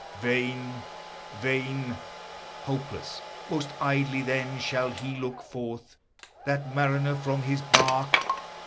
Vain, vain! Hopeless most idly then, shall he look forth, That mariner from his bark.